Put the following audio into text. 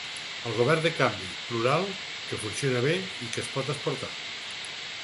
Un govern de canvi, plural, que funciona bé i que es pot exportar.